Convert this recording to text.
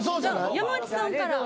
山内さんから。